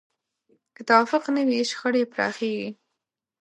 که توافق نه وي، شخړې پراخېږي.